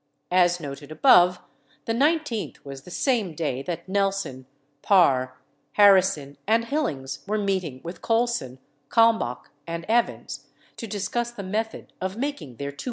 As noted above the 19th was the same day that Nelson, Parr, Har rison, and Hillings were meeting with Colson, Kalmbach, and Evans to discuss the method of making their $2 million contribution. b.